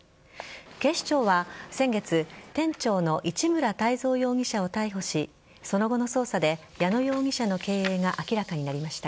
警視庁は先月店長の市村泰三容疑者を逮捕しその後の捜査で矢野容疑者の経営が明らかになりました。